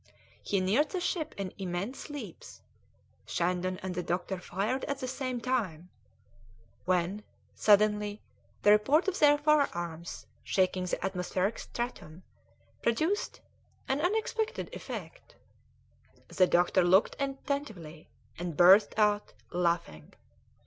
He neared the ship in immense leaps; Shandon and the doctor fired at the same time, when, suddenly, the report of their firearms, shaking the atmospheric stratum, produced an unexpected effect. The doctor looked attentively, and burst out laughing.